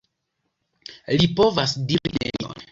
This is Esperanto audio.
Li povas diri nenion.